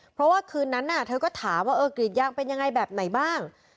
เพราะว่าคืนนั้นเธอก็ถามว่าเออกรีดยางเป็นยังไงแบบไหนบ้าง